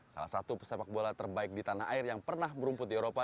salah satu pesepak bola terbaik di tanah air yang pernah merumput di eropa